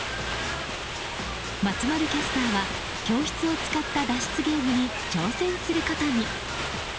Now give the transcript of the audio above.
松丸キャスターは教室を使った脱出ゲームに挑戦することに。